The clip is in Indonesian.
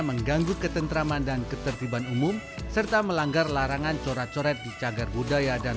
mengganggu ketentraman dan ketertiban umum serta melanggar larangan corak coret di cagar budaya dan